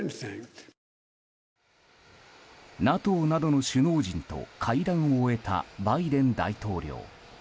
ＮＡＴＯなどの首脳陣と会談を終えたバイデン大統領。